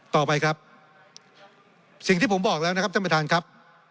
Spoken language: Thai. ต่อไปครับสิ่งที่ผมบอกแล้วนะครับท่านประธานครับ